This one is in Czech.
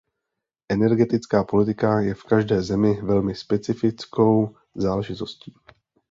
Energetická politika je v každé zemi velmi specifickou záležitostí.